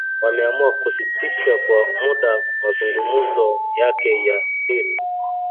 Wameamua kusitisha kwa muda mazungumzo yake ya siri